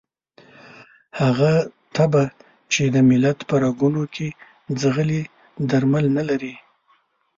هغه تبه چې د ملت په رګونو کې ځغلي درمل نه لري.